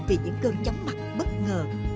vì những cơn chóng mặt bất ngờ